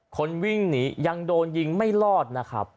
คนวิ่งหนียังโดนยิงไม่รอดนะครับ